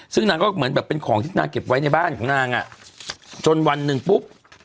ซึ่งนางก็เหมือนแบบเป็นของที่นางเก็บไว้ในบ้านของนางอ่ะจนวันหนึ่งปุ๊บ